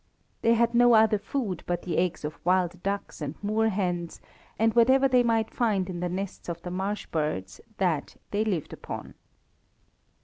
They had no other food but the eggs of wild ducks and moorhens, and whatever they might find in the nests of the marsh birds that they lived upon.